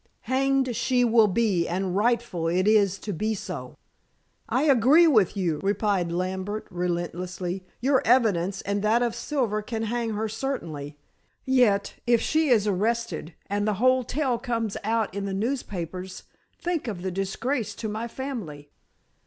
"Hanged she will be, and rightful it is to be so!" "I agree with you," replied Lambert relentlessly. "Your evidence and that of Silver can hang her, certainly. Yet, if she is arrested, and the whole tale comes out in the newspapers, think of the disgrace to my family."